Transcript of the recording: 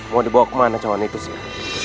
mau dibawa kemana cawan itu sir